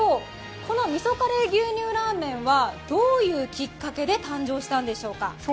この味噌カレー牛乳ラーメンはどういう、きっかけで誕生したんでしょうか？